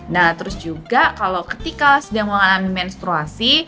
nah terus juga kalau ketika sedang mengalami menstruasi